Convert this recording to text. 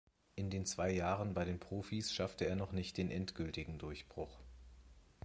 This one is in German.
In den zwei Jahren bei den Profis schaffte er noch nicht den endgültigen Durchbruch.